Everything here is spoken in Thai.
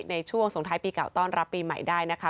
ในช่วงส่งท้ายปีเก่าต้อนรับปีใหม่ได้นะคะ